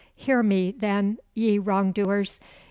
Hear me, then, ye wrong doers.